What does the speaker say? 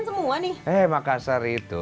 semua nih eh makassar itu